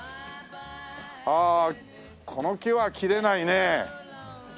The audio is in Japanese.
ああこの木は切れないね。